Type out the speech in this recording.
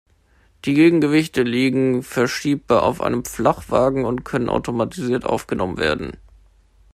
Die Gegengewichte liegen verschiebbar auf einem Flachwagen und können automatisiert aufgenommen werden.